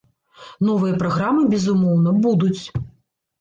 Новыя праграмы, безумоўна, будуць.